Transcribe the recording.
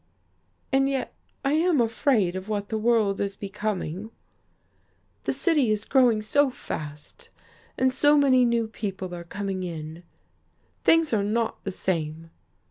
And yet I am afraid of what the world is becoming. The city is growing so fast, and so many new people are coming in. Things are not the same.